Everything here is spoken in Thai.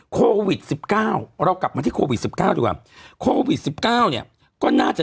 โควิดสิบเก้าเรากลับมาที่โควิดสิบเก้าดีกว่าโควิดสิบเก้าเนี่ยก็น่าจะ